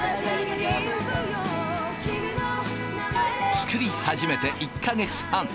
作り始めて１か月半。